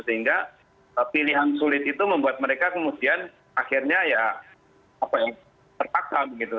sehingga pilihan sulit itu membuat mereka kemudian akhirnya ya terpaksa begitu